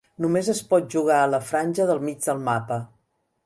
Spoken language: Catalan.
Només es pot jugar a la franja del mig del mapa.